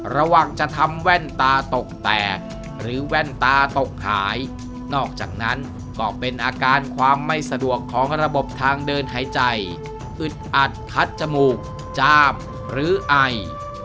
ระวังจะทำแว่นตาตกแตกหรือแว่นตาตกขายนอกจากนั้นก็เป็นอาการความไม่สะดวกของระบบทางเดินหายใจอึดอัดคัดจมูกจามหรือไอ